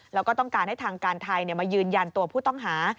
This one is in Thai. แล้วก็ต้องการให้ทางการไทยมายืนยันตัวผู้ต้องหา